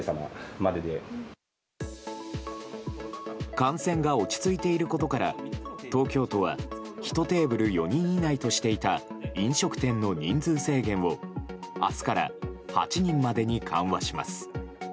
感染が落ち着いていることから東京都は１テーブル４人以内としていた飲食店の人数制限を明日から８人までに緩和します。